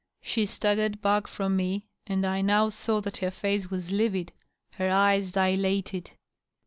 She staggered baqk from me, and I now saw that her face was livid, her eyes dilated.